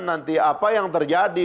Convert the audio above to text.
nanti apa yang terjadi